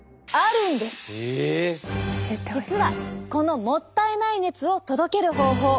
実はこのもったいない熱を届ける方法。